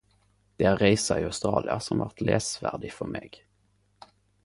Det er reisa i Australia som vart lesverdig for meg.